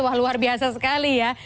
wah luar biasa sekali ya